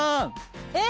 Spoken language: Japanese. えっ？